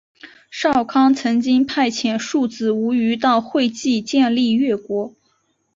少康曾经派遣庶子无余到会稽建立越国。